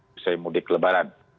misalnya mudik lebaran